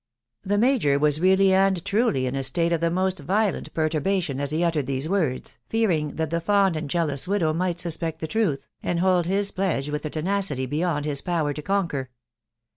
The major was really and truly in a state of the most violent perturbation as he uttered these words, fearing that the fond and jealous widow might suspect the truth, and hold his pledge with a tenacity beyond his power to conquer.